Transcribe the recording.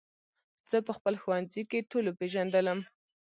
زه په خپل ښوونځي کې ټولو پېژندلم